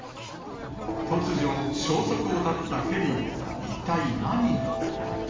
突如、消息を絶ったヘリに、一体何が。